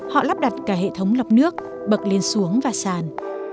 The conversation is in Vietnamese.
họ lắp đặt cả hệ thống lọc nước bậc lên xuống và sàn